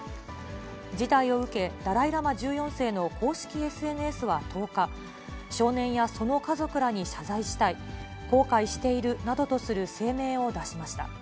事態を受け、ダライ・ラマ１４世の公式ＳＮＳは１０日、少年やその家族らに謝罪したい、後悔しているなどとする声明を出しました。